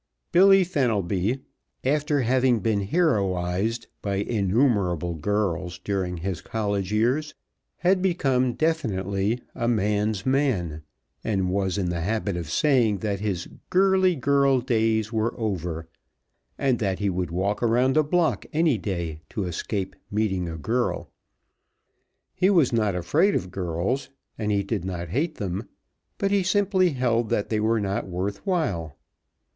Billy Fenelby, after having been heroized by innumerable girls during his college years, had become definitely a man's man, and was in the habit of saying that his girly girl days were over, and that he would walk around a block any day to escape meeting a girl. He was not afraid of girls, and he did not hate them, but he simply held that they were not worth while.